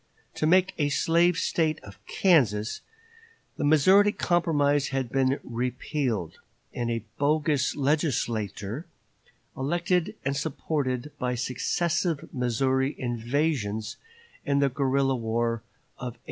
To make a slave State of Kansas, the Missouri Compromise had been repealed, and a bogus legislature elected and supported by the successive Missouri invasions and the guerrilla war of 1856.